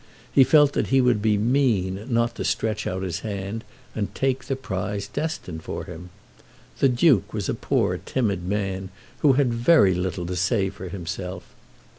He felt that he would be mean not to stretch out his hand and take the prize destined for him. The Duke was a poor timid man who had very little to say for himself.